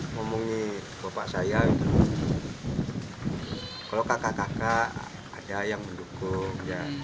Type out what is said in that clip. ngomongi bapak saya kalau kakak kakak ada yang mendukung